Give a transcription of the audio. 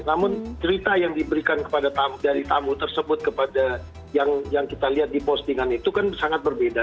namun cerita yang diberikan dari tamu tersebut kepada yang kita lihat di postingan itu kan sangat berbeda